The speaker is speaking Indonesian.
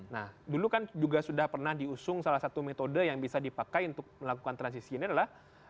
nah dulu kan juga sudah pernah diusung salah satu metode yang bisa dipakai untuk melakukan transisi ini adalah